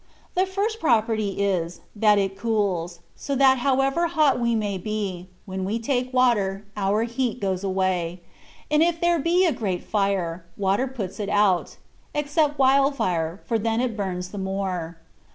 The first property is, that it cools, so that however hot we may be, when we take water, our heat goes away ; and if there be a great fire, water puts it out, except wildfire, for then it bums the more.